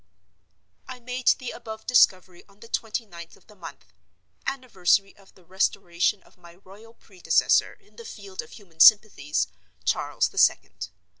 I made the above discovery on the twenty ninth of the month—anniversary of the Restoration of my royal predecessor in the field of human sympathies, Charles the Second.